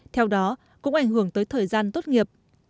theo đó cũng ảnh hưởng tới thời gian tốt nghiệp